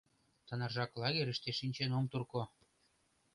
Тынаржак лагерьыште шинчен ом турко...